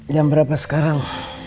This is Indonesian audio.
jam berapa sekarang